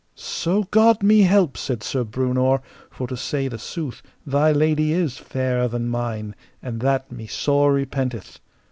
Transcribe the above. So God me help, said Sir Breunor, for to say the sooth, thy lady is fairer than mine, and that me sore repenteth.